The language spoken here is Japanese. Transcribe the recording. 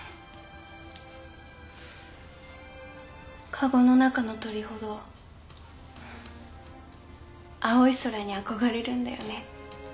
籠の中の鳥ほど青い空にあこがれるんだよね。